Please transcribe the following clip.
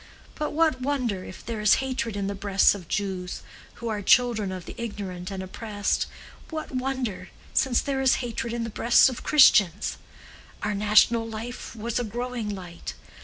But what wonder if there is hatred in the breasts of Jews, who are children of the ignorant and oppressed—what wonder, since there is hatred in the breasts of Christians? Our national life was a growing light.